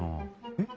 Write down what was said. えっ？